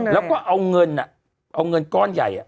แล้วก็เอาเงินก้อนใหญ่